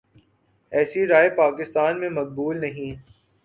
ایسی رائے پاکستان میں مقبول نہیں۔